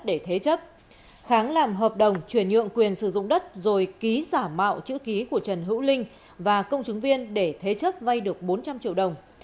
để kháng làm hợp đồng chuyển nhượng quyền sử dụng đất rồi ký giả mạo chữ ký của trần hữu linh và công chứng viên để thế chấp vay được bốn trăm linh triệu đồng